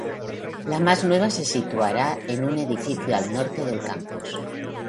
La más nueva se situará en un edificio al norte del campus.